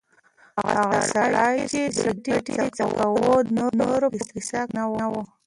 هغه سړی چې سګرټ یې څکاوه د نورو په کیسه کې نه و.